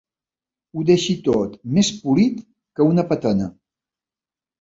Ho deixi tot més polit que una patena.